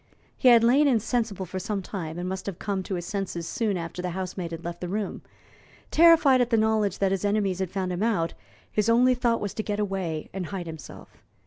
He had lain insensible for some time, and must have come to his senses soon after the housemaid had left the room. Terrified at the knowledge that his enemies had found him out, his only thought was to get away and hide himself.